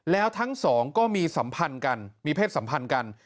แล้วทั้งสองก็มีสัมพันธ์กันมีเพศสัมพันธ์กัน